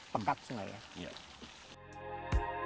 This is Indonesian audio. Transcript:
pekat sungai ya